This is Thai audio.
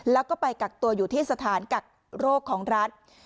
แล้วก็ไปกักตัวอยู่ที่สถานกักโรคของรัฐ